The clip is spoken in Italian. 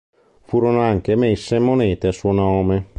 Furono anche emesse monete a suo nome.